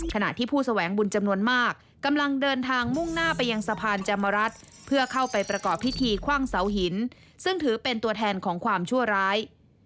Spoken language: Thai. ขณะที่ผู้แสวงบุญจำนวนมากกำลังเดินทางมุ่งหน้าไปยังสะพานแจมรัฐเพื่อเข้าไปประกอบพิธีคว่างเสาหินซึ่งถือเป็นตัวแทนของความชั่วร้าย